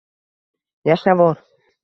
Yashavor!